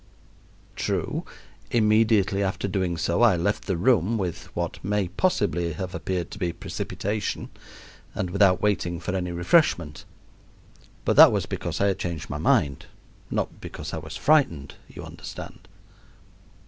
True, immediately after doing so I left the room with what may possibly have appeared to be precipitation and without waiting for any refreshment. But that was because I had changed my mind, not because I was frightened, you understand.